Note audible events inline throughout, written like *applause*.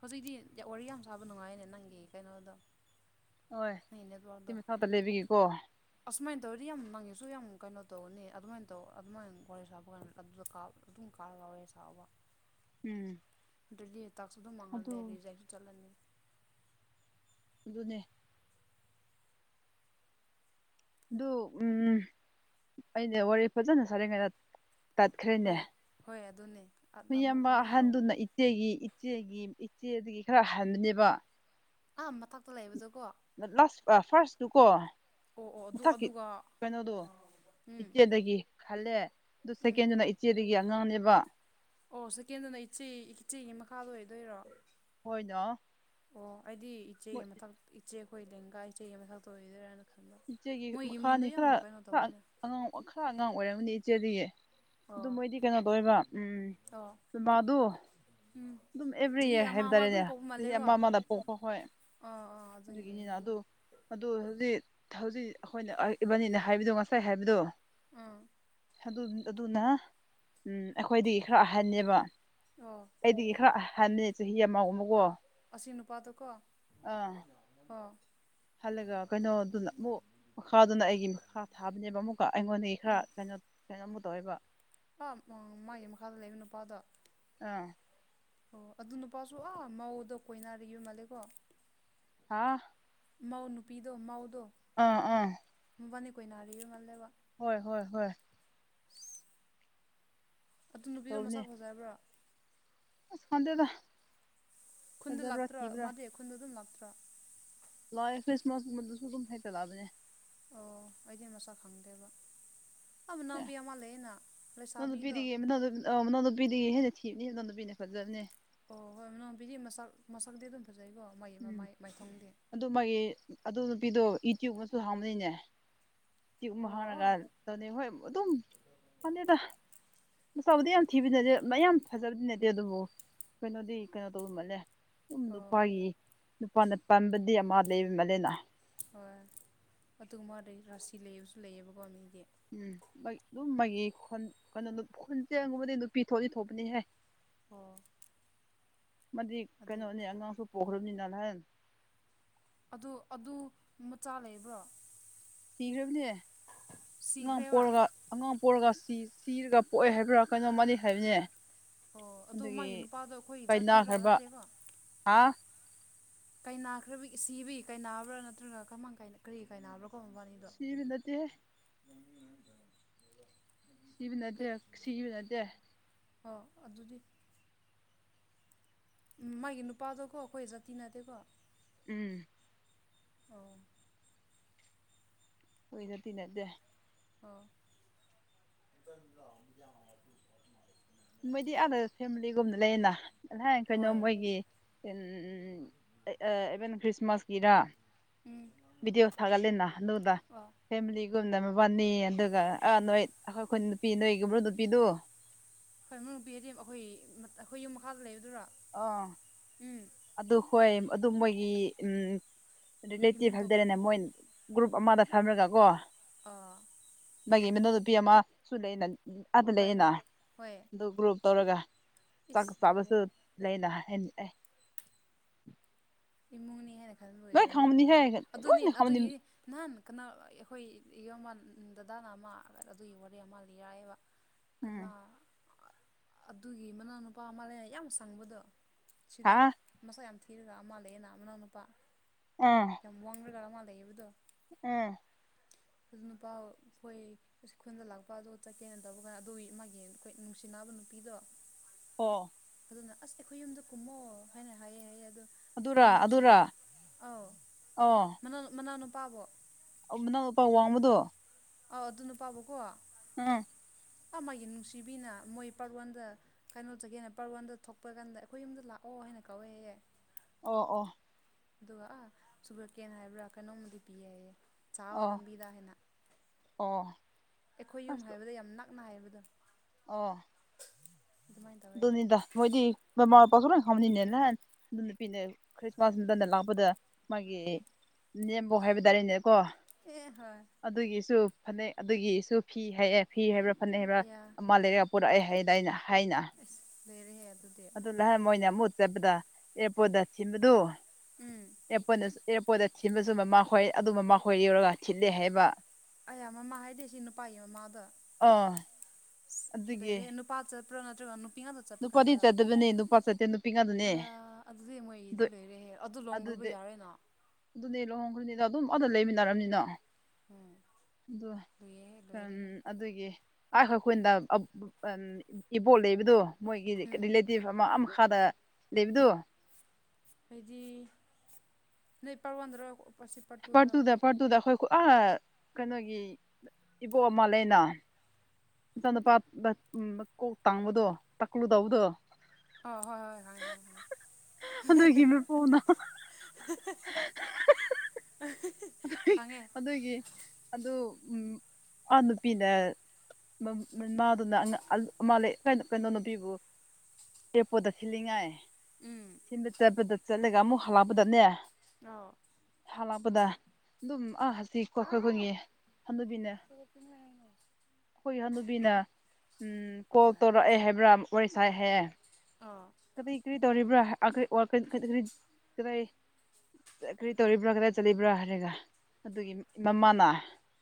ꯍꯧꯖꯤꯛꯇꯤ ꯋꯥꯔꯤ ꯌꯥꯝ ꯁꯥꯕ ꯅꯨꯡꯉꯥꯏꯅꯦ ꯅꯪꯒꯤ ꯀꯩꯅꯣꯗꯣ ꯍꯣꯏ ꯅꯪꯒꯤ ꯁꯤ ꯅꯔꯣꯜꯗꯣ ꯃꯊꯛꯇ ꯂꯩꯕꯒꯤꯀꯣ ꯑꯁꯨꯃꯥꯏꯅ ꯇꯧꯔꯗꯤ ꯌꯥꯝ ꯅꯪꯉꯤꯁꯨ ꯌꯥꯝ ꯀꯩꯅꯣ ꯇꯧꯅꯤ ꯑꯗꯨꯃꯥꯏꯅ ꯇꯧ ꯑꯗꯨꯃꯥꯏꯅ ꯋꯥꯔꯤ ꯁꯥꯞꯄ ꯀꯥꯟꯗ ꯑꯗꯨꯗ ꯀꯥꯞ ꯑꯗꯨꯝ ꯀꯥꯔꯒꯥꯎꯋꯦ ꯁꯥꯎꯕ ꯎꯝ ꯗꯦꯜꯂꯤ ꯇꯥꯛꯁꯨ ꯑꯗꯨꯝ ꯑꯗꯨ ꯃꯥꯡꯍꯜꯂꯦ ꯔꯤꯖꯦꯛꯁꯨ ꯆꯠꯂꯅꯤ ꯑꯗꯨꯅꯦ ꯑꯗꯨ ꯎꯝ ꯑꯩꯅ ꯋꯥꯔꯤ ꯐꯖꯅ ꯁꯥꯔꯦꯡꯉꯩꯗ ꯇꯠꯈ꯭ꯔꯦꯅꯦ ꯍꯣꯏ ꯍꯣꯏ ꯑꯗꯨꯅꯦ ꯑꯃꯨꯛ ꯃꯤꯌꯥꯝꯕ ꯑꯃꯨꯛ ꯍꯥꯎ ꯑꯍꯟꯗꯨꯅ ꯏꯆꯦꯒꯤ ꯏꯆꯦꯒꯤ ꯏꯆꯦꯗꯒꯤ ꯈꯔ ꯍꯟꯕꯅꯦꯕ ꯑꯥ ꯃꯊꯛꯇ ꯂꯩꯕꯗꯨꯀꯣ ꯂꯥꯁ ꯑꯥ ꯐꯥꯔꯁ ꯇꯨ ꯀꯣ ꯑꯣ ꯑꯗꯨ ꯃꯊꯛꯀꯤ ꯑꯗꯨꯒ ꯀꯩꯅꯣꯗꯨ ꯎꯝ ꯏꯆꯦꯗꯒꯤ ꯍꯜꯂꯦ ꯑꯗꯨ ꯎꯝ ꯁꯦꯀꯦꯟꯗꯨꯅ ꯏꯆꯦꯗꯒꯤ ꯑꯉꯥꯡꯅꯦꯕ ꯑꯣ ꯁꯀꯦꯟꯗꯨꯅ ꯏꯆꯦ ꯏꯆꯦꯒꯤ ꯃꯈꯥ ꯑꯣꯏꯗꯣꯏꯔꯣ ꯍꯣꯏꯅꯣ ꯑꯣ ꯑꯩꯗꯤ ꯏꯆꯦꯒꯤ ꯃꯊꯛ ꯏꯆꯦ ꯑꯩꯈꯣꯏ ꯂꯦꯡꯒꯥ ꯏꯆꯦꯒꯤ ꯃꯊꯛꯇ ꯑꯣꯏꯗꯣꯏꯔꯥꯅ ꯍꯂꯣ ꯏꯆꯦꯒꯤ ꯃꯣꯢ ꯌꯨꯝꯂꯣꯝꯗ ꯃꯈꯥꯅꯤ ꯌꯥꯝ ꯈꯔ ꯀꯩꯅꯣ ꯈꯔ ꯇꯧꯌꯦꯅ ꯑꯉꯥꯡ ꯈꯔ ꯑꯉꯥꯡ ꯑꯣꯏꯔꯝꯒꯅꯤ ꯏꯆꯦꯗꯒꯤ ꯑꯗꯨ ꯑꯣ ꯃꯣꯏꯗꯤ ꯀꯩꯅꯣ ꯇꯧꯋꯦꯕ ꯎꯝ ꯑꯣ ꯎꯝ ꯃꯗꯨ ꯎꯝ ꯑꯗꯨꯝ ꯑꯦꯚ꯭ꯔꯤ ꯆꯍꯤ ꯏꯌꯥꯔ ꯑꯃ ꯍꯥꯏꯕ ꯑꯃ ꯇꯥꯔꯦꯅꯦ ꯑꯗꯨꯝ ꯄꯣꯛꯄ ꯆꯍꯤ ꯃꯥꯜꯂꯦꯀꯣ ꯑꯃ ꯑꯃꯗ ꯄꯣꯛꯄ ꯍꯣꯏ ꯑꯥ ꯑꯥ ꯑꯗꯨꯒꯤ ꯑꯗꯨꯒꯤꯅꯤꯅ ꯑꯗꯨ ꯑꯣꯢꯔꯝꯅꯤ ꯍꯣꯢ ꯑꯗꯨ ꯑꯣꯢꯔꯗꯤ ꯍꯧꯖꯤꯛ ꯍꯧꯖꯤꯛ ꯑꯩꯈꯣꯏꯅ ꯏꯕꯥꯅꯤꯅ ꯍꯥꯏꯕꯗꯨ ꯉꯁꯥꯏ ꯍꯥꯏꯕꯗꯨ ꯑꯥ ꯑꯗꯨꯅ ꯎꯝ ꯑꯩꯈꯣꯏꯗꯤꯒꯤ ꯈꯔ ꯑꯍꯟꯅꯦꯕ ꯑꯣ ꯑꯩꯗꯒꯤ ꯈꯔ ꯑꯍꯟꯅꯦ ꯆꯍꯤ ꯑꯃ ꯑꯃꯀꯣ ꯑꯁꯤ ꯅꯨꯄꯥꯗꯨ ꯀꯣ ꯑꯥ ꯍꯜꯂꯒ ꯀꯩꯅꯣꯗꯨꯅ ꯑꯃꯨꯛ ꯃꯈꯥꯗꯨꯅ ꯑꯩꯒꯤ ꯃꯈꯥ ꯊꯥꯕꯅꯦꯕ ꯑꯃꯨꯛ ꯀꯣ ꯑꯩꯉꯣꯟꯗꯒꯤ ꯈꯔ ꯎꯝ ꯀꯩꯅꯣ ꯀꯩꯅꯣꯝꯃꯨ ꯇꯧꯋꯦꯕ ꯑꯥ ꯃꯥ ꯃꯥꯒꯤ ꯃꯈꯥꯗ ꯂꯩꯕ ꯅꯨꯄꯥꯗꯣ ꯑꯥ ꯑꯣ ꯑꯗꯨ ꯅꯨꯄꯥꯁꯨ ꯑꯥ ꯃꯧꯗꯣ ꯀꯣꯏꯅꯔꯤ ꯃꯥꯜꯂꯦꯀꯣ ꯍꯥ ꯃꯧ ꯅꯨꯄꯤꯗꯣ ꯃꯧꯗꯣ ꯑꯥ ꯑꯥ ꯃꯕꯥꯅꯤ ꯀꯣꯏꯅꯥꯔꯤꯕ ꯃꯥꯜꯂꯦꯕ ꯍꯣꯏ ꯍꯣꯏ ꯍꯣꯏ ꯑꯗꯨ ꯅꯨꯄꯤꯗꯣ ꯇꯧꯕꯅꯦ ꯃꯁꯛ ꯐꯖꯔꯕ꯭ꯔꯥ ꯑꯁ ꯈꯡꯗꯦꯗ ꯈꯨꯟꯗ ꯂꯥꯛꯇ꯭ꯔꯣ ꯃꯥꯗꯤ ꯈꯨꯟꯗꯣ ꯑꯗꯨꯝ ꯂꯥꯛꯇ꯭ꯔꯣ ꯂꯥꯛꯑꯦ ꯈ꯭ꯔꯤꯁꯃꯥꯁ ꯃꯇꯝ ꯒꯨꯝꯕꯗ ꯍꯦꯛꯇ ꯂꯥꯛꯕꯅꯤ ꯑꯣ ꯑꯩꯗꯤ ꯃꯁꯛ ꯈꯪꯗꯦꯕ ꯑꯥ ꯑꯦ ꯃꯅꯥꯎꯕꯤ ꯑꯃ ꯂꯩꯅ ꯂꯩꯁꯥꯕꯤꯗꯣ ꯑꯧ ꯃꯅꯥꯎ ꯅꯨꯄꯤꯗꯒꯤ ꯍꯦꯟꯅ ꯊꯤꯕꯅꯤ ꯃꯅꯥꯎ ꯅꯨꯄꯤꯅ ꯐꯖꯕꯅꯦ ꯑꯣ ꯍꯣꯏ ꯃꯅꯥꯎꯕꯤꯗꯤ ꯃꯁꯛ ꯃꯁꯛꯇꯤ ꯑꯗꯨꯝ ꯐꯖꯩꯀꯣ ꯃꯩ ꯎꯝ ꯃꯥꯏ ꯃꯥꯏꯊꯣꯡꯗꯤ ꯑꯗꯨ ꯃꯥꯒꯤ ꯑꯗꯨ ꯅꯨꯄꯤꯗꯣ ꯏꯇ꯭ꯌꯨꯕ ꯑꯃꯁꯨ ꯍꯥꯡꯕꯅꯤꯅꯦ ꯇꯨꯕ ꯑꯃ ꯑꯣ ꯍꯥꯡꯉꯒ ꯑꯣ ꯇꯧꯅꯤ ꯍꯣꯏ ꯑꯗꯨꯝ ꯈꯪꯗꯦꯗ ꯃꯁꯛꯕꯨꯗꯤ ꯌꯥꯝ ꯊꯤꯕ ꯅꯠꯇꯦ ꯃꯌꯥꯝ ꯐꯖꯕꯗꯤ ꯅꯠꯇꯦ ꯑꯗꯨꯕꯨ ꯀꯩꯅꯣꯗꯤ ꯀꯩꯅꯣ ꯇꯧꯕ ꯃꯜꯂꯦ ꯑꯗꯨꯝ ꯑꯣ ꯅꯨꯄꯥꯒꯤ ꯅꯨꯄꯥꯅ ꯄꯥꯟꯕꯗꯤ ꯑꯃ ꯂꯩꯕ ꯃꯥꯜꯂꯦꯅ ꯍꯣꯏ ꯑꯗꯨꯒ ꯃꯥꯗꯣ ꯔꯥꯁꯤ ꯂꯩꯕꯁꯨ ꯂꯩꯌꯦꯕꯀꯣ ꯃꯤꯗꯤ ꯎꯝ ꯍꯣꯢ ꯑꯗꯨꯝ ꯃꯥꯒꯤ ꯈꯣꯟ ꯀꯩꯅꯣ ꯈꯨꯟꯖꯒꯨꯝꯕꯗꯤ ꯅꯨꯄꯤ ꯊꯣꯛꯂꯗꯤ ꯊꯣꯛꯄꯅꯤꯍꯦ ꯑꯣ ꯃꯥꯗꯤ ꯑꯗꯨꯏ ꯀꯩꯅꯣꯅꯤ ꯑꯉꯥꯡꯁꯨ ꯄꯣꯛꯈ꯭ꯔꯕꯅꯤꯅ ꯅꯍꯥꯟ ꯑꯗꯨ ꯑꯗꯨ ꯃꯆꯥ ꯂꯩꯕ꯭ꯔꯣ ꯁꯤꯈ꯭ꯔꯕꯅꯤ ꯑꯉꯥꯡ ꯁꯤꯈ꯭ꯔꯦꯕ ꯄꯣꯛꯂꯒ ꯑꯉꯥꯡ ꯄꯣꯛꯔꯒ ꯁꯤ ꯁꯤꯔꯒ ꯄꯣꯛꯑꯦ ꯍꯥꯏꯕ꯭ꯔꯥ ꯀꯩꯅꯣ ꯃꯥꯗꯤ ꯍꯥꯏꯕꯅꯦ꯫ ꯑꯣ ꯑꯗꯨ ꯃꯥꯒꯤ ꯑꯗꯨꯒꯤ ꯅꯨꯄꯥꯗꯣ ꯑꯩꯈꯣꯏ ꯖꯥꯇꯤꯔꯣ ꯀꯥꯏꯅꯈ꯭ꯔꯕ ꯅꯠꯇꯦꯀꯣ ꯑꯣ ꯍꯥ ꯀꯥꯏ ꯅꯥꯈ꯭ꯔꯕꯤ ꯁꯤꯕꯤ ꯀꯩ ꯅꯥꯕ꯭ꯔꯥ ꯅꯠꯇ꯭ꯔꯒ ꯀꯃꯥꯡ ꯀꯔꯤ ꯀꯥꯏ ꯅꯥꯕ꯭ꯔꯥ ꯀꯣ ꯃꯕꯥꯅꯤꯗꯣ ꯁꯤꯕ ꯅꯠ ꯇꯦꯍꯦ ꯁꯤꯕ ꯅꯠꯇꯦ ꯀꯩ ꯁꯤꯕ ꯅꯠꯇꯦ ꯑꯣ ꯑꯗꯨꯗꯤ ꯎꯝ ꯃꯥꯒꯤ ꯅꯨꯄꯥꯗꯣꯀꯣ ꯑꯩꯈꯣꯏ ꯖꯥꯇꯤ ꯅꯠꯇꯦꯀꯣ ꯎꯝ ꯑꯣ ꯅꯣꯏꯒ ꯇꯤꯅꯗꯦ ꯑ *unintelligible* ꯃꯣꯏꯗꯤ ꯑꯥꯗ ꯐꯦꯃꯤꯂꯤꯒꯨꯝꯅ ꯂꯩꯌꯦꯅ ꯀꯩꯅꯣ ꯍꯣꯏ ꯃꯣꯏꯒꯤ ꯏꯚꯦꯟ ꯈ꯭ꯔꯤꯁꯃꯥꯁꯀꯤꯔ ꯎꯝ ꯕꯤꯗꯤꯑꯣ ꯊꯥꯒꯠꯂꯦꯅ ꯅꯨꯗ ꯑꯣ ꯐꯦꯃꯤꯂꯤꯒꯨꯝꯅ ꯃꯕꯥꯅꯤ ꯑꯗꯨꯒ ꯑꯥ ꯅꯣꯏ ꯑꯩꯈꯣꯏꯈꯨꯟ ꯅꯨꯄꯤ ꯅꯣꯏꯒꯨꯝꯕ ꯅꯨꯄꯤꯗꯨ *unintelligible* ꯑꯈꯣꯏ ꯑꯈꯣꯏ ꯌꯨꯝ ꯃꯈꯥꯗ ꯂꯩꯕꯗꯨꯔꯣ? ꯑ ꯎꯝ ꯑꯗꯨ ꯍꯣꯏ ꯑꯗꯨ ꯃꯣꯏꯒꯤ ꯎꯝ ꯏꯃꯨꯡ ꯔꯤꯂꯦꯇꯤꯚ ꯊꯣꯛ ꯍꯥꯏꯗꯔꯦꯅꯦ ꯃꯣꯏ ꯒ꯭ꯔꯨꯞ ꯑꯃꯗ ꯐꯝꯔꯒ ꯀꯣ ꯑꯥ ꯃꯥꯒꯤ ꯃꯣ ꯅꯨꯄꯤ ꯑꯃ ꯁꯨ ꯂꯩꯅ ꯑꯥꯗ ꯍꯣꯏ ꯂꯩꯅ ꯍꯣꯏ ꯍꯣꯏ ꯑꯗꯨ ꯒ꯭ꯔꯨꯞ ꯇꯧꯔꯒ ꯆꯥꯛ ꯏꯁ ꯂꯩꯔꯦ ꯆꯥꯕꯁꯨ ꯂꯩꯅ ꯑꯦ ꯏꯃꯨꯡꯅꯤ ꯍꯥꯏꯅ ꯈꯟꯕ ꯂꯣꯏ ꯑꯣꯏꯔꯕꯅꯤꯅ ꯈꯪꯕꯅꯤꯍꯦ ꯑꯗꯨꯗꯤ ꯑꯗꯨꯅꯤ ꯂꯣꯏꯅ ꯈꯪꯕꯅꯤ ꯑꯗꯨꯒꯤ ꯅꯍꯥꯟ ꯀꯅꯥ ꯑꯩꯈꯣꯏ ꯏꯌꯥꯝꯕ ꯗꯗꯥꯅ ꯑꯃ ꯑꯗꯨꯒꯤ ꯋꯥꯔꯤ ꯑꯃ ꯂꯤꯔꯛꯑꯦꯕ꯫ *inaudible* ꯀꯅꯥ ꯑꯗꯨꯒꯤ ꯃꯅꯥꯎꯅꯨꯄꯥ ꯑꯃ ꯂꯩ ꯌꯥꯝ ꯁꯪꯕꯗꯣ ꯍꯥ ꯁꯤꯗ ꯃꯁꯛ ꯌꯥꯝ ꯊꯤꯔꯒ ꯑꯃ ꯂꯩꯑꯦꯅ ꯃꯅꯥꯎ ꯅꯨꯨꯄꯥ꯫ ꯑ ꯋꯥꯡꯔꯒ ꯑꯃ ꯂꯩꯕꯗꯣ ꯎꯝ ꯑꯗꯨ ꯅꯨꯄꯥꯥ ꯈꯣꯏ ꯈꯨꯟꯗ ꯂꯥꯛꯄꯗꯣ ꯆꯠꯀꯦꯅ ꯇꯧꯕ ꯀꯥꯟ ꯑꯗꯨꯒꯤ ꯃꯥꯒꯤ ꯑꯩꯈꯣꯏ ꯅꯨꯡꯁꯤꯅꯕ ꯅꯨꯄꯤꯗꯣ ꯑꯣ ꯑꯗꯨꯅ ꯑꯁ ꯑꯩꯈꯣꯏ ꯌꯨꯝꯗ ꯀꯨꯝꯃꯣ ꯍꯥꯏꯅ ꯍꯥꯏꯌꯦ ꯍꯥꯏꯌꯦ ꯑꯗꯣ ꯑꯗꯨꯔꯥ ꯀꯩꯅꯣ ꯁꯨ ꯑꯗꯨꯔꯥ ꯑꯧ ꯃꯅꯥꯎꯅꯨꯄꯥꯕꯣ ꯑ ꯃꯅꯥꯎꯄꯥꯎ ꯋꯥꯡꯕꯗꯣ ꯑꯥꯎ ꯑꯗꯨꯅ ꯄꯥꯕꯀꯣ ꯎꯝ ꯃꯥꯒꯤ ꯅꯨꯡꯁꯤꯕꯤꯅ ꯃꯣꯏ ꯄꯔꯋꯥꯟꯗ ꯀꯩꯅꯣ ꯆꯒꯦꯅ ꯄꯔꯋꯥꯟꯗ ꯊꯣꯛꯄ ꯀꯥꯟꯗ ꯑꯩꯈꯣꯏ ꯌꯨꯝꯗ ꯂꯥꯛꯑꯣ ꯍꯥꯏꯅ ꯀꯧꯋꯦ ꯍꯥꯏꯌꯦ ꯫ ꯑꯣ ꯑꯣ ꯑꯗꯨꯒ ꯑꯥ ꯁꯨꯒꯔꯀꯦꯟ ꯍꯥꯏꯕ꯭ꯔꯥ ꯀꯩꯅꯣꯝꯃꯗꯤ ꯄꯤꯌꯦ ꯍꯥꯏꯌꯦ ꯆꯥꯎ ꯑꯣ ꯂꯝꯕꯤꯗ ꯍꯥꯏꯅ꯫ ꯑꯣ ꯑꯩꯈꯣꯏ ꯌꯨꯝ ꯑꯁ ꯍꯥꯏꯕꯗ ꯌꯥꯝ ꯅꯛꯅ ꯍꯥꯏꯕꯗꯣ ꯑꯣ *unintelligible* ꯇꯧꯋꯦ ꯍꯥꯏꯌꯦ ꯗꯨꯅꯤꯗ ꯃꯣꯏꯗꯤ ꯃꯃꯥ ꯃꯄꯥꯁꯨ ꯂꯣꯏꯅ ꯈꯪꯕꯅꯤꯅꯦ ꯅꯍꯥꯟ ꯗꯨ ꯅꯨꯄꯤꯅ ꯈ꯭ꯔꯤꯁꯃꯥꯁ *unintelligible* ꯂꯥꯛꯄꯗ ꯃꯥꯒꯤ ꯅꯦꯝꯕꯣꯛ ꯍꯥꯏꯕ ꯇꯥꯔꯦꯅꯦ ꯀꯣ꯫ ꯑꯦ ꯍꯣꯏ꯫ ꯑꯗꯨꯒꯤꯁꯨ ꯐꯅꯦꯛ ꯑꯗꯨꯒꯤꯁꯨ ꯐꯤ ꯍꯥꯏꯌꯦ꯫ ꯐꯤ ꯍꯥꯏꯕ꯭ꯔꯥ ꯐꯅꯦꯛ ꯍꯥꯏꯕ꯭ꯔꯥ ꯑꯌꯥ ꯑꯃ ꯂꯩꯔꯒ ꯄꯨꯔꯛꯑꯦ ꯍꯥꯏꯌꯦꯗꯥꯏꯅ ꯍꯥꯏꯅ꯫ ꯑꯁ ꯂꯩꯔꯦꯍꯦ ꯑꯗꯨꯗꯤ꯫ *unintelligible* ꯃꯣꯏꯅ ꯑꯃꯨꯛ ꯆꯠꯄꯗ ꯑꯦꯔꯄꯣꯔꯠꯇ ꯊꯤꯟꯕꯗꯨ꯫ ꯎꯝ꯫ ꯑꯦꯔꯄꯣꯠꯅ ꯑꯦꯔꯄꯣꯠꯇ ꯊꯤꯟꯕꯁꯨ ꯃꯃꯥ ꯈꯣꯏ ꯑꯗꯨ ꯃꯃꯥꯈꯣꯏ ꯌꯥꯎꯔꯒ ꯊꯤꯜꯂꯦ ꯍꯥꯏꯌꯦꯕ꯫ ꯑꯌꯥ ꯃꯃꯥ ꯍꯥꯏꯗꯤ ꯁꯤ ꯅꯨꯄꯥꯥꯒꯤ ꯃꯃꯥꯗꯣ꯫ ꯑ꯫ ꯑꯁ ꯂꯩꯔꯦꯍꯦ ꯅꯨꯄꯥ ꯆꯠꯄ꯭ꯔ ꯅꯠꯇ꯭ꯔꯒ ꯅꯨꯄꯤ ꯉꯥꯛꯇ ꯆꯠꯄ ꯅꯨꯄꯥꯗꯤ ꯀꯥꯟꯗꯔ ꯆꯠꯇꯕꯅꯦ ꯅꯨꯄꯥ ꯆꯠꯇꯦ ꯅꯨꯄꯤ ꯉꯥꯛꯇꯅꯦ ꯑꯌꯥ ꯑꯗꯨꯗꯤ ꯃꯣꯏꯒꯤꯗꯤ ꯑꯗꯨ ꯂꯣꯏꯔꯦꯍꯦ ꯑꯗꯨ ꯂꯨꯍꯣꯡꯈ꯭ꯔꯕ ꯑꯗꯨꯗꯤ ꯌꯥꯔꯦꯅ꯫ ꯑꯗꯨꯅꯦ ꯂꯨꯍꯣꯡꯈ꯭ꯔꯅꯤꯗ ꯑꯗꯨꯝ ꯑꯥꯗ ꯂꯩꯃꯤꯟꯅꯔꯝꯅꯤꯅ꯫ ꯎꯝ ꯑꯗꯨ ꯂꯣꯏꯔꯦꯍꯦ ꯑꯝ ꯂꯣꯏꯔꯦꯍꯦ ꯑꯗꯨꯒꯤ꯫ ꯑꯥꯏ ꯑꯩꯈꯣꯏꯅꯗ ꯑ-ꯑꯝ ꯏꯕꯣꯛ ꯂꯩꯕꯗꯣ ꯃꯣꯏꯒꯤ ꯎꯝ ꯀ-ꯔꯤꯂꯦ ꯇꯤꯚ ꯑꯃ ꯑꯥ ꯃꯈꯥꯗ ꯂꯩꯕꯗꯣ꯫ ꯍꯥꯏꯗꯤ ꯅꯣꯏ ꯄꯥꯔꯠ ꯋꯥꯟꯗ꯭ꯔ꯫ ꯄꯥꯔꯠ ꯇꯨꯗ ꯄꯥꯔꯠ ꯇꯨꯗ ꯑꯩꯈꯣꯏ ꯈꯨ-ꯑꯥ ꯀꯩꯅꯣꯒꯤ ꯏꯕꯣꯛ ꯑꯃ ꯂꯩꯌꯦꯅ꯫ ꯃꯆꯥꯅꯨꯨꯄꯥ ꯗ-ꯎꯝ ꯀꯣꯛ ꯇꯥꯡꯕꯗꯣ ꯇꯛꯀ꯭ꯂꯨ ꯇꯧꯕꯗꯣ꯫ ꯑ ꯍꯣꯏ ꯍꯣꯏ ꯑꯗꯨꯒꯤ ꯃꯄꯨꯅ *unintelligible* *unintelligible* ꯈꯪꯉꯦ꯫ ꯑꯗꯨꯒꯤ꯫ ꯑꯗꯨ ꯎꯝ-ꯑꯥ ꯅꯨꯄꯤꯅ꯫ ꯃ-ꯃꯃꯥꯗꯨꯅ ꯑꯉ-ꯑ ꯑꯃ ꯂꯩ ꯀꯩ-ꯀꯩꯅꯣ ꯅꯨꯄꯤꯕꯨ꯫ ꯑꯦꯔꯄꯣꯔꯠꯇ ꯊꯤꯜꯂꯤꯉꯥꯏ꯫ ꯎꯝ꯫ ꯊꯤꯟꯕ ꯆꯠꯄꯗ ꯆꯠꯂꯒ ꯑꯃꯨꯛ ꯍꯜꯂꯛꯄꯗꯅꯦ꯫ ꯑꯣ꯫ ꯍꯥꯂꯛꯄꯗ ꯑꯗꯨꯝ ꯑ ꯍꯁꯤ *unintelligible* ꯈꯣꯏꯒꯤ ꯍꯅꯨꯕꯤꯅ꯫ ꯑꯩꯈꯣꯏꯒꯤ ꯍꯅꯨꯕꯤꯅ ꯎꯝ ꯀꯣꯜ ꯇꯧꯔꯛꯑꯦ ꯍꯥꯏꯕ꯭ꯔꯥ ꯋꯥꯔꯤ ꯁꯥꯏ ꯍꯥꯏꯌꯦ꯫ ꯑꯣ꯫ ꯀꯔꯤ ꯀꯔꯤ ꯇꯧꯔꯤꯕ꯭ꯔꯥ *unintelligible* ꯀꯗꯥꯏ ꯀꯔꯤ ꯇꯧꯔꯤꯕ꯭ꯔꯥ ꯀꯗꯥꯏ ꯆꯠꯂꯤꯕ꯭ꯔꯥ ꯍꯥꯏꯔꯒ ꯑꯗꯨꯒꯤ ꯃꯃꯥꯅ꯫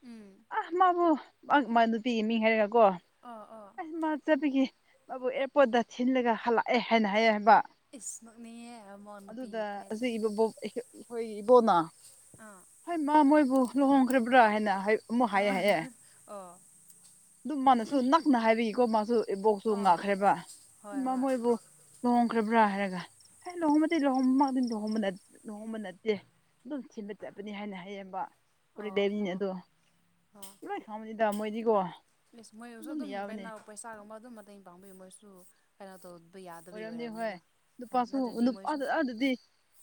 ꯎꯝ꯫ ꯑ ꯃꯥꯕꯨ ꯑ ꯃꯥ ꯅꯨꯄꯤꯒꯤ ꯃꯤꯡ ꯍꯥꯏꯔꯒ ꯀꯣ꯫ ꯑ ꯑ꯫ ꯃꯥ ꯆꯠꯄꯒꯤ ꯃꯥꯕꯨ ꯑꯦꯔꯄꯣꯔꯠꯇ ꯊꯤꯜꯂꯒ ꯍꯜꯂꯛꯑꯦ ꯍꯥꯏꯅ ꯍꯥꯏꯌꯦ ꯍꯥꯏꯕ꯫ ꯏꯁ ꯅꯣꯛꯅꯤꯡꯉꯦ ꯑꯃ ꯑꯗꯨꯗ ꯅꯨꯄꯤꯒꯤ ꯑꯁꯤ ꯇꯥꯏꯞꯇ ꯕꯕꯣꯛ ꯑꯩꯈꯣ-ꯑꯩꯈꯣꯏ ꯏꯕꯣꯛꯅ꯫ ꯑꯥ꯫ ꯍꯩꯃꯥ ꯃꯣꯏꯕꯨ ꯂꯨꯍꯣꯡꯈ꯭ꯔꯕ꯭ꯔꯥ ꯍꯥꯏꯅ ꯍꯥꯏ ꯑ ꯑꯣ꯫ ꯑꯗꯨꯝ ꯃꯥꯅꯁꯨ ꯅꯛꯅ ꯍꯥꯏꯕꯤꯀꯣ ꯃꯥꯁꯨ ꯏꯕꯣꯛꯁꯨ ꯑꯥ ꯉꯛꯈ꯭ꯔꯦꯕ ꯍꯣꯏ ꯏꯃꯥ ꯍꯣꯏ ꯃꯣꯏꯕꯨ ꯂꯨꯍꯣꯡꯈ꯭ꯔꯕ꯭ꯔꯥ ꯍꯥꯏꯔꯒ ꯍꯥꯏ ꯂꯨꯍꯣꯡꯕꯗꯤ ꯂꯨꯍꯣꯡ ꯃꯥꯗꯤ ꯂꯨꯍꯣꯡꯕ ꯅꯠ ꯂꯨꯍꯣꯡꯕ ꯅꯠꯇꯦ ꯑꯗꯨꯝ ꯊꯤꯟꯕ ꯆꯠꯄꯅꯦ ꯍꯥꯏꯅ ꯍꯥꯏꯌꯦꯕ꯫ ꯑꯣ ꯍꯣꯂꯤꯗꯦꯅꯤ ꯑꯗꯣ ꯑꯣ ꯂꯣꯏ ꯈꯡꯉꯝꯃꯅꯤꯗ ꯃꯣꯏꯗꯤꯒꯣ ꯏꯁ ꯃꯣꯏꯁꯨ ꯑꯗꯨꯝ ꯀꯩꯅꯣ ꯄꯩꯁꯥꯒꯨꯝꯕ ꯑꯗꯨꯝ ꯃꯇꯦꯡ ꯄꯥꯡꯕꯤ ꯃꯣꯏꯁꯨ ꯀꯩꯅꯣ ꯇꯧꯕ ꯌꯥꯗꯕꯒꯤ ꯑꯣꯏꯔꯝꯅꯤ ꯑꯣꯏꯔꯝꯅꯤꯗ ꯑꯥ ꯅꯠꯇ꯭ꯔꯗꯤ ꯃꯣꯏꯁꯨ ꯗꯨꯗꯤ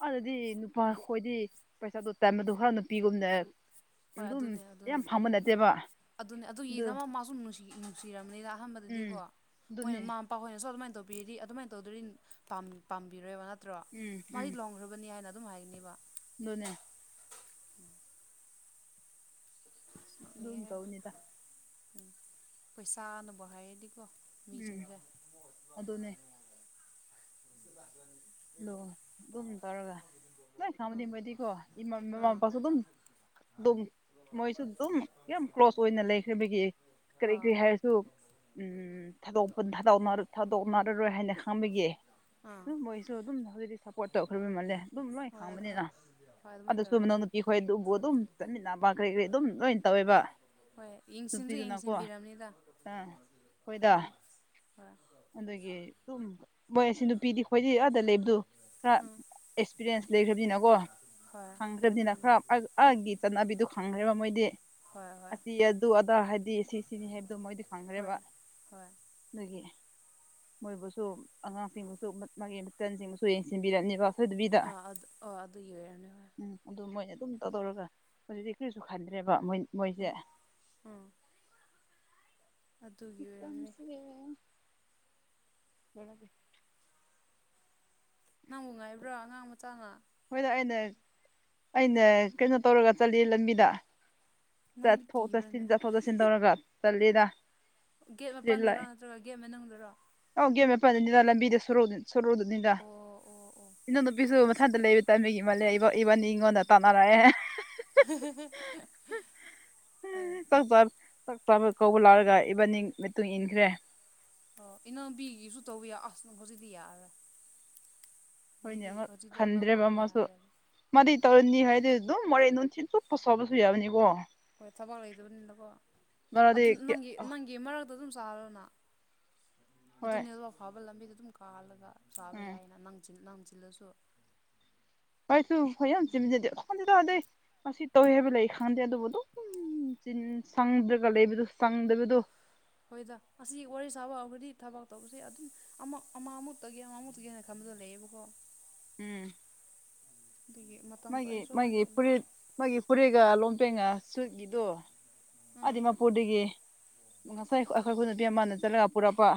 ꯑꯗꯨꯗꯤ ꯅꯨꯄꯥ ꯈꯣꯏꯗꯤ ꯄꯩꯁꯥꯗꯣ ꯇꯥꯟꯕꯗꯣ ꯈꯔ ꯅꯨꯄꯤꯒꯨꯝꯅ ꯍꯣꯏ ꯑꯗꯨꯝ ꯑꯗꯨꯅꯦ ꯑꯗꯨꯅꯦ ꯌꯥꯝ ꯐꯪꯕ ꯅꯠꯇꯦꯕ ꯑꯗꯨꯅꯦ ꯑꯗꯨ ꯑꯗꯨꯒꯤꯗꯃꯛ ꯃꯥꯁꯨ ꯅꯨꯡꯁꯤ ꯅꯨꯡꯁꯤꯔꯝꯅꯤꯗ ꯎꯝ ꯑꯍꯥꯟꯕꯗꯗꯤꯀꯣ ꯃꯣꯏ ꯑꯗꯨꯅꯦ ꯃꯃꯥ ꯄꯥꯍꯣꯏꯅꯁꯨ ꯑꯗꯨꯃꯥꯏꯅ ꯇꯧꯕꯤꯔꯤ ꯑꯗꯨꯃꯥꯏꯅ ꯇꯧꯗꯔ꯭ꯗꯤ ꯄꯥꯝ ꯄꯥꯝꯕꯤꯔꯣꯏꯕ ꯅꯠ ꯇ꯭ꯔꯣ ꯎꯝ ꯃꯥꯗꯤ ꯂꯨꯍꯣꯡꯈ꯭ꯔꯕꯅꯦ ꯍꯥꯏꯅ ꯑꯗꯨꯝ ꯍꯥꯏꯒꯅꯤꯕ ꯗꯨꯅꯦ ꯑꯗꯨꯝ ꯅꯣꯛꯅꯦꯍꯦ ꯇꯧꯅꯤꯗ ꯎꯝ ꯄꯩꯁꯥꯅꯕꯨ ꯍꯥꯏꯔꯗꯤꯀꯣ ꯎꯝ ꯃꯤꯁꯤꯡꯁꯦ ꯑꯗꯨꯅꯦ ꯑꯗꯣ ꯑꯗꯨꯝ ꯇꯧꯔꯒ ꯂꯣꯏ ꯈꯪꯕꯗꯤ ꯃꯣꯏꯗꯤꯀꯣ *unintelligible* ꯗꯨꯝ ꯃꯣꯏꯁꯨ ꯗꯨꯝ ꯌꯥꯝ ꯀ꯭ꯂꯣꯁ ꯑꯣꯏꯅ ꯂꯩꯈ꯭ꯔꯕꯒꯤ ꯀꯔꯤ ꯑꯥ ꯀꯔꯤ ꯍꯥꯏꯔꯁꯨ ꯎꯝ ꯊꯥꯗꯣꯛꯄ ꯊꯥꯗꯣꯛꯅ ꯊꯥꯗꯣꯛꯅꯔꯔꯣꯏ ꯍꯥꯏꯅ ꯈꯪꯕꯒꯤ ꯑꯥ ꯗꯨꯝ ꯃꯣꯏꯁ ꯑꯗꯨꯝ ꯍꯧꯖꯤꯛꯇꯤ ꯁꯞꯄꯣꯔꯠ ꯇꯧꯈ꯭ꯔꯕ ꯃꯜꯂꯦ ꯑꯗꯨꯝ ꯂꯣꯏ ꯍꯣꯏ ꯈꯪꯕꯅꯤꯅ ꯍꯣꯏ ꯍꯣꯏ ꯑꯗꯨꯃꯥꯏꯅ ꯑꯗꯨꯁꯨ ꯇꯧꯔꯝꯅꯤ ꯑꯩꯈꯣꯏ ꯑꯗꯨꯕꯨ ꯑꯗꯨꯝ ꯆꯠꯃꯤꯟꯅꯕ ꯀꯔꯤ ꯀꯔꯤ ꯑꯗꯨꯝ ꯂꯣꯏ ꯇꯧꯋꯦꯕ ꯍꯣꯏ ꯌꯦꯡꯁꯤꯟꯁꯨ ꯅꯨꯄꯤꯗꯨꯅꯀꯣ ꯌꯦꯡꯁꯤꯟꯕꯤꯔꯕꯅꯤꯗ ꯑꯥ ꯍꯣꯏꯗ ꯎꯝ ꯍꯣꯏ꯫ ꯑꯗꯨꯒꯤ ꯑꯗꯨꯝ ꯃꯣꯏ ꯑꯁꯤ ꯅꯨꯄꯤꯗꯤ ꯈꯣꯏꯗꯤ ꯑꯥꯗ ꯂꯩꯕꯗꯨ ꯈꯔ ꯑꯦꯁ ꯎꯝ ꯑꯦꯛꯁꯄꯤꯔꯤꯌꯦꯟꯁ ꯂꯩꯈ꯭ꯔꯕꯅꯤꯅꯀꯣ ꯍꯣꯏ ꯈꯪꯈ꯭ꯔꯕꯅꯤꯅ ꯑꯗꯨꯅꯦ ꯈꯔ ꯑ ꯑꯥꯒꯤ ꯆꯠꯅꯕꯤꯗꯣ ꯈꯪꯈ꯭ꯔꯦꯕ ꯃꯣꯏꯗꯤ ꯍꯣꯏ ꯍꯣꯏ ꯑꯁꯤ ꯑꯗꯨ ꯑꯗꯥ ꯍꯥꯏꯕꯗꯤ ꯁꯤ ꯁꯤꯅꯤ ꯍꯥꯏꯕꯗꯨ ꯃꯣꯏꯗꯤ ꯍꯣꯏ ꯈꯪꯈ꯭ꯔꯦꯕ ꯍꯣꯏ ꯑꯗꯒꯤ ꯃꯣꯏꯕꯨꯁꯨ ꯑꯉꯥꯡꯁꯤꯡꯕꯨꯁꯨ ꯃꯥꯒꯤ ꯃꯆꯟꯁꯤꯡꯕꯨꯁꯨ ꯌꯦꯡꯁꯤꯟꯕꯤꯔꯅꯤꯕ ꯐꯨꯗꯕꯤꯗ ꯑꯥ ꯑꯗꯨ ꯑꯣ ꯑꯗꯨꯒꯤ ꯑꯣꯏꯔꯝꯅꯤ ꯍꯣꯏ ꯎꯝ ꯑꯗꯨ ꯃꯣꯏꯅ ꯑꯗꯨꯝ ꯇꯧꯗꯧꯔꯒ ꯍꯨꯖꯤꯛꯗꯤ ꯀꯔꯤꯁꯨ ꯈꯟꯗ꯭ꯔꯦꯕ ꯃꯣꯏ ꯃꯣꯏꯁꯦ ꯎꯝ ꯎꯝ ꯑꯗꯨꯒꯤ ꯑꯣꯏꯔꯝꯅꯤ *unintelligible* ꯅꯪꯕꯨ ꯉꯥꯏꯕ꯭ꯔꯥ ꯑꯉꯥꯡ ꯃꯆꯥꯅ ꯍꯣꯏꯗ ꯑꯩꯅ ꯑꯩꯅ ꯀꯩꯅꯣ ꯇꯧꯔꯒ ꯆꯠꯂꯤ ꯂꯝꯕꯤꯗ ꯅꯪꯗꯤ ꯆꯠꯊꯣꯛ ꯆꯠꯁꯤꯟ ꯀꯤꯕ꯭ꯔꯅꯦ ꯆꯠꯊꯣꯛ ꯆꯠꯁꯤꯟ ꯇꯧꯔꯒ ꯆꯠꯂꯤꯗ ꯒꯦꯠ ꯏꯁꯇ꯭ꯔꯤꯠ ꯃꯥꯄꯟꯗꯔꯣ ꯂꯥꯏꯠ ꯅꯠꯇ꯭ꯔꯒ ꯒꯦꯠ ꯃꯅꯨꯡꯗꯔꯣ ꯑꯧ ꯒꯦꯠ ꯃꯄꯥꯟꯗꯅꯤꯗ ꯂꯝꯕꯤꯗ ꯁꯨꯔꯣ ꯁꯨꯔꯣꯛꯗꯅꯤꯗ ꯑꯣ ꯑꯣ ꯑꯣ ꯏꯅꯥꯎꯅꯨꯄꯤꯁꯨ ꯃꯊꯟꯇ ꯑꯁ ꯂꯩꯕ ꯇꯟꯕꯒꯤ ꯃꯥꯜꯂꯦ ꯏꯕ ꯏꯕꯅꯤ ꯏꯪꯉꯣꯟꯅ ꯇꯅꯥꯔꯛꯑꯦ *inaudible* ꯆꯥꯛ ꯆꯥ ꯆꯥꯛ ꯆꯥꯕ ꯀꯧꯕ ꯂꯥꯛꯔꯒ ꯏꯕꯥꯅꯤꯡ ꯃꯇꯨꯡ ꯏꯟꯈ꯭ꯔꯦ ꯑꯣ ꯏꯅꯥꯎꯕꯤꯒꯤꯁꯨ ꯇꯧꯕꯤꯌꯣ ꯑꯁ ꯍꯧꯖꯤꯛꯇꯤ ꯌꯥꯔꯦ ꯍꯣꯏꯅꯦ ꯑꯃꯨꯛ ꯈꯟꯗ꯭ꯔꯦꯕ ꯃꯥꯁꯨ ꯃꯥꯗꯤ ꯎꯝ ꯇꯧꯔ ꯍꯤꯟꯗꯤ ꯍꯩꯔꯗꯤ ꯗꯨꯝ ꯃꯣꯔꯦꯟ ꯅꯨꯡꯊꯤꯟ ꯆꯨꯞꯄ ꯁꯣꯜꯂꯁꯨ ꯌꯥꯕꯅꯤꯀꯣ ꯍꯣꯏ ꯊꯕꯛ ꯂꯩꯗꯕꯅꯤꯅꯀꯣ ꯃꯥꯗꯤ ꯑꯗꯨ ꯅꯪꯒꯤ ꯅꯪꯒꯤ ꯃꯔꯛ ꯑꯗꯨꯝ ꯆꯥꯔꯣꯅ ꯍꯣꯏ ꯑꯗꯨꯅꯤ ꯑꯗꯨ ꯑꯐꯥꯎꯕ ꯂꯝꯕꯤꯗ ꯑꯗꯨꯝ ꯀꯥꯜꯂꯒ ꯆꯥꯕ ꯎꯝ ꯌꯥꯏꯅ ꯅꯪ ꯆꯤꯟ ꯅꯪ ꯆꯤꯜꯂꯁꯨ ꯑꯩꯁꯨ ꯍꯣꯏ ꯌꯥꯝ ꯆꯤꯟꯖꯗꯦ ꯈꯣꯟꯗꯦꯗ ꯑꯗꯩ ꯉꯁꯤ ꯇꯧꯋꯦ ꯍꯥꯏꯕ ꯂꯩ ꯈꯪꯗꯦ ꯑꯗꯨꯕꯨ ꯑꯗꯨꯝ ꯆꯤꯟ ꯁꯪꯗ꯭ꯔꯒ ꯂꯩꯕꯗꯨ ꯁꯪꯗꯕꯗꯨ ꯍꯣꯏꯗ ꯑꯁꯤ ꯋꯥꯔꯤ ꯁꯥꯕ ꯍꯧꯈ꯭ꯔꯗꯤ ꯊꯕꯛ ꯇꯧꯕꯁꯤ ꯑꯗꯨꯝ ꯑꯃ ꯑꯃ ꯑꯃꯨꯛ ꯇꯧꯒꯤ ꯑꯃ ꯑꯃꯨꯛ ꯇꯧꯒꯤꯅ ꯊꯝꯕꯗꯣ ꯂꯩꯌꯦꯕꯀꯣ ꯎꯝ ꯗꯨꯒꯤ *unintelligible* ꯃꯥꯒꯤ ꯃꯥꯒꯤ ꯐꯨꯔꯤꯠ ꯃꯥꯒꯤ ꯐꯨꯔꯤꯠꯒ ꯂꯣꯡꯄꯦꯟꯒ ꯁꯨꯠꯒꯤꯗꯣ ꯎꯝ *unintelligible* ꯄꯨꯔꯗꯒꯤ ꯉꯁꯥꯏ ꯑꯩꯈꯣꯏꯈꯣꯏ ꯅꯨꯄꯤ ꯑꯃꯅ ꯆꯠꯂꯒ ꯄꯨꯔꯛꯄ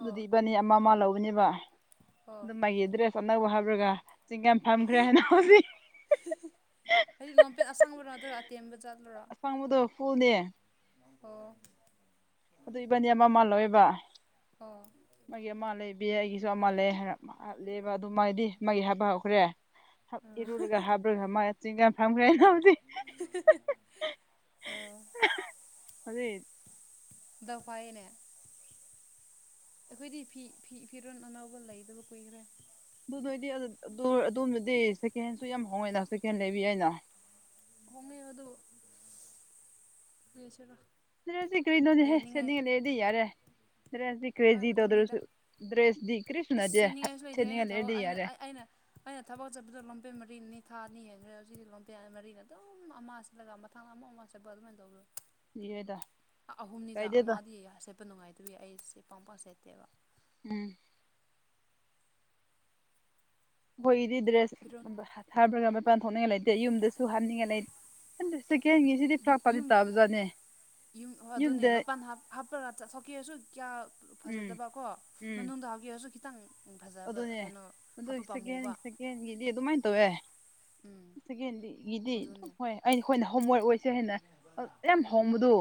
ꯑꯣ ꯏꯕꯥꯅꯤ ꯑꯃ ꯑꯃ ꯂꯧꯕꯅꯦꯕ ꯑꯣ ꯑꯗꯨ ꯃꯥꯒꯤ ꯑꯦꯗ꯭ꯔꯦꯁ ꯑꯅꯧꯕ ꯍꯥꯞꯔꯒ ꯆꯤꯡꯒ ꯊꯝꯗ꯭ꯔꯦ ꯍꯥꯏꯅ ꯍꯧꯁꯤ ꯍꯥꯏꯗꯤ ꯂꯣꯡꯄꯦꯟ ꯑꯁꯥꯡꯕꯔꯣ ꯅꯠꯇ꯭ꯔꯒ ꯑꯇꯦꯟꯕ ꯆꯠꯂꯨꯔꯣ ꯑꯁꯥꯡꯕꯗꯣ ꯐꯨꯜꯅꯦ ꯑꯣ ꯑꯗꯨ ꯏꯕꯥꯅꯤ ꯑꯃ ꯑꯃ ꯂꯧꯋꯦꯕ ꯑꯣ ꯃꯥꯒꯤ ꯑꯃ ꯂꯩꯕꯤꯌꯦ ꯑꯩꯒꯤꯁꯨ ꯑꯃ ꯂꯩꯌꯦ ꯍꯥꯏꯔꯥ ꯂꯩꯕ ꯑꯗꯨ ꯃꯥꯗꯤ ꯃꯥꯒꯤ ꯍꯥꯏꯕ ꯍꯧꯈ꯭ꯔꯦ *unintelligible* ꯏꯔꯨꯔꯨꯒꯦ ꯍꯥꯏꯕ꯭ꯔꯥ *unintelligible* ꯑꯣ ꯀꯔꯤ ꯗꯐꯥꯏꯌꯦꯅꯦ ꯑꯩꯈꯣꯏꯗꯤ ꯐꯤ ꯐꯤ ꯐꯤꯔꯣꯟ ꯑꯅꯧꯕ ꯂꯩꯗꯕ ꯀꯨꯏꯈ꯭ꯔꯦ ꯑꯗꯨ ꯅꯣꯏꯗꯤ *unintelligible* ꯑꯗꯣꯝꯗꯗꯤ ꯁꯦꯀꯦꯟꯍꯦꯟꯁꯨ ꯌꯥꯝ ꯍꯣꯡꯉꯦꯅ ꯁꯦꯀꯦꯟ ꯂꯩꯕ ꯌꯥꯏꯅ ꯍꯣꯡꯉꯦ ꯑꯗꯨ ꯀꯔꯤꯁꯤꯔꯥ ꯁꯤꯗꯗꯤ ꯀꯔꯤꯅꯨꯅꯦꯍꯦ ꯁꯦꯠꯅꯤꯡꯉꯥꯏ ꯂꯩꯔꯗꯤ ꯌꯥꯔꯦ ꯍꯨꯔꯦꯟꯗꯤ ꯍꯣꯏ ꯀꯔꯦꯖꯤꯗꯣ ꯑꯗꯨꯅꯤꯗ ꯗꯨꯁꯨ ꯗ꯭ꯔꯦꯁꯗꯤ ꯀ꯭ꯔꯤꯁꯨ ꯏꯁ ꯅꯠꯇꯦ ꯁꯦꯠꯅꯤꯡꯉꯥꯏꯁꯨ ꯂꯩꯇꯦ ꯑꯩꯅ ꯁꯦꯠꯅꯤꯡꯉꯥꯏ ꯊꯕꯛ ꯂꯩꯔꯗꯤ ꯑꯩꯅ ꯌꯥꯔꯦ ꯑꯩꯅ ꯑꯩꯅ ꯊꯕꯛ ꯆꯠꯄꯗ ꯂꯣꯡꯄꯦꯟ ꯃꯔꯤꯅꯤ ꯊꯥ ꯑꯅꯤ ꯍꯦꯟꯈ꯭ꯔꯦ ꯍꯧꯖꯤꯛꯇꯤ ꯂꯣꯡꯄꯦꯟ ꯃꯔꯤꯅꯤ ꯑꯗꯨꯝ ꯑꯃ ꯆꯠꯂꯒ ꯃꯊꯪ ꯑꯃꯨꯛ ꯑꯃ ꯁꯦꯠꯄ ꯑꯗꯨꯃꯥꯏꯅ ꯇꯧꯕꯗꯣ ꯌꯦꯗ ꯑꯍꯨꯝꯅꯤꯗ ꯀꯥꯏꯗꯦꯗ ꯑꯃꯗꯤ ꯁꯦꯠ ꯄꯥ ꯅꯨꯡꯉꯥꯏꯇꯕꯒꯤ ꯑꯩꯁꯦ ꯄꯥꯡ ꯄꯥꯛ ꯁꯦꯠꯇꯦꯕ ꯎꯝ ꯑꯩꯈꯣꯏꯒꯤꯗꯤ ꯗ꯭ꯔꯦꯁ ꯐꯤꯔꯣꯟ *unintelligible* ꯃꯄꯥꯟ ꯊꯣꯛꯅꯤꯡꯉꯥꯏ ꯂꯩꯇꯦ ꯌꯨꯝꯗꯁꯨ ꯍꯟꯅꯤꯡꯉꯥꯏ ꯂꯩ ꯈꯟꯗꯦ ꯁꯦꯀꯦꯟꯒꯤ ꯀꯤꯁꯤꯗꯤ ꯐ꯭ꯔꯥꯛ ꯐ꯭ꯔꯥꯛꯇꯤ ꯌꯨꯝꯒꯤ ꯇꯥꯕꯖꯥꯠꯅꯦ ꯌꯨꯝ ꯍꯣꯏ ꯑꯗꯨꯅꯦ ꯌꯨꯝꯗ ꯃꯄꯥꯟ ꯍꯥꯞ ꯍꯥꯞꯔꯒ ꯆꯠꯊꯣꯛꯀꯦꯁꯨ ꯀꯌꯥ ꯎꯝ ꯐꯖꯗꯕ ꯀꯣ ꯎꯝ ꯃꯅꯨꯡꯗ ꯍꯥꯞꯀꯦꯁꯨ ꯈꯤꯇꯪ ꯐꯖꯕ ꯀꯩꯅꯣ ꯍꯥꯞꯄ ꯄꯥꯝꯃꯨꯕ ꯌꯦꯟꯒꯤꯗꯤ ꯑꯗꯨꯃꯥꯏꯟ ꯇꯧꯋꯦ ꯎꯝ ꯁꯦꯀꯦꯟꯗꯤꯒꯤꯗꯤ ꯑꯗꯨꯝ ꯑꯗꯨꯅꯦ ꯍꯣꯏ ꯑꯩ ꯑꯩꯈꯣꯏꯅ ꯍꯣꯝꯋꯥꯔꯛ ꯑꯣꯏꯁꯦ ꯍꯥꯏꯅ ꯑ ꯌꯥꯝ ꯍꯣꯡꯕꯗꯨ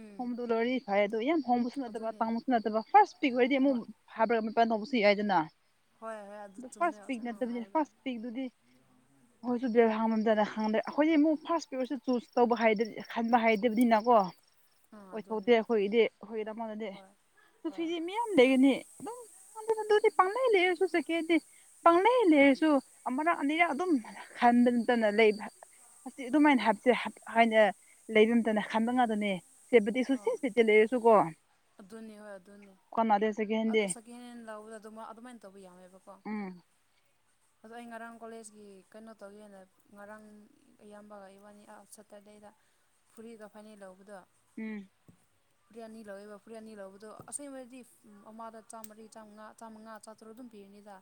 ꯎꯝ ꯍꯣꯡꯕꯗꯨ ꯂꯣꯏꯔꯗꯤ ꯐꯩ ꯑꯗꯨ ꯌꯥꯝ ꯍꯣꯡꯕꯁꯨ ꯅꯠꯇꯕ ꯑꯗꯨꯅꯦ ꯇꯥꯡꯕꯁꯨ ꯅꯠꯇꯕ ꯐꯥꯔꯁ ꯄꯤꯛ ꯑꯣꯏꯔꯗꯤ ꯑꯃꯨꯛ ꯍꯣꯏ *unintelligible* ꯃꯄꯥꯟ ꯇꯧꯕꯁꯨ ꯌꯥꯏꯗꯅ ꯍꯣꯏ ꯍꯣꯏ ꯑꯗꯨ ꯆꯨꯝꯃꯦ ꯐꯥꯔꯁ ꯄꯤꯛ ꯑꯁ ꯅꯪꯅ ꯅꯠꯇꯕꯗꯤ ꯍꯥꯏꯕꯗꯣ ꯐꯥꯔꯁ ꯄꯤꯛ ꯗꯨꯗꯤ ꯑꯩꯈꯣꯏꯁꯨ ꯕꯦꯜ ꯍꯥꯡꯉꯝꯗꯅ *unintelligible* ꯑꯩꯈꯣꯏꯗꯤ ꯑꯃꯨꯛ ꯐꯥꯔꯁ *unintelligible* ꯆꯨꯁ ꯇꯧꯕ *unintelligible* ꯈꯟꯕ ꯍꯩꯗꯕꯗꯤꯅꯀꯣ ꯑꯥ ꯑꯗꯨꯅꯦ ꯑꯣꯏꯊꯣꯛꯇꯦ ꯑꯩꯈꯣꯏꯒꯤꯗꯤ ꯑꯩꯈꯣꯏꯒꯤꯗꯃꯛꯇꯗꯤ ꯍꯣꯏ ꯍꯣꯏ *unintelligible* ꯃꯌꯥꯝ ꯂꯩꯒꯅꯤ ꯑꯗꯨꯝ ꯑꯗꯨꯗꯤ ꯄꯥꯝꯂꯩ ꯂꯩꯔꯁꯨ ꯁꯦꯀꯦꯟꯗꯤ ꯄꯪꯪꯂꯩ ꯂꯩꯔꯁꯨ ꯑꯃꯔꯛ ꯑꯅꯤꯔꯛ ꯑꯗꯨꯝ ꯍꯟꯗ ꯅꯠꯇꯅꯥ ꯂꯩꯕ ꯑꯁꯤ ꯑꯗꯨꯃꯥꯏꯅ ꯍꯥꯞꯁꯦ ꯍꯥꯏꯅ ꯂꯩꯕꯝꯗꯅ ꯈꯟꯕ ꯉꯥꯛꯇꯅꯦ꯫ ꯑꯣ ꯑꯗꯨꯅꯤ ꯍꯣꯏ ꯑꯗꯨꯅꯤ *unintelligible* ꯁꯦꯀꯦꯟ ꯍꯦꯟ ꯂꯧꯕꯗ ꯑꯗꯨ ꯑꯗꯨꯃꯥꯏꯅ ꯇꯧꯕ ꯌꯥꯋꯦꯕꯀꯣ꯫ ꯎꯝ ꯑꯗꯣ ꯑꯩ ꯉꯔꯥꯡ ꯀꯣꯂꯦꯖꯀꯤ ꯀꯩꯅꯣ ꯇꯧꯒꯦꯅ ꯉꯔꯥꯡ, ꯑꯌꯥꯝꯕꯒ ꯏꯕꯥꯟꯅꯤ ꯑꯥꯎꯠꯁꯇ ꯐꯨꯔꯤꯒ ꯐꯥꯅꯦꯛ ꯂꯧꯕꯗꯣ, ꯎꯝ ꯐꯨꯔꯤꯠ ꯑꯅꯤ ꯂꯧꯋꯦꯕ ꯐꯨꯔꯤꯠ ꯑꯅꯤ ꯂꯧꯕꯗꯣ ꯑꯁꯦꯡꯕꯗꯤ ꯑꯃꯗ ꯆꯥꯝꯃꯔꯤ ꯆꯥꯝꯃꯉꯥ ꯆꯥꯝꯃꯉꯥ ꯆꯥꯇ꯭ꯔꯨꯛ ꯑꯗꯨꯝ ꯄꯤꯒꯅꯤꯗ꯫